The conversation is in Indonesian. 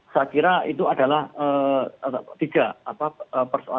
saya kira itu adalah tiga persoalan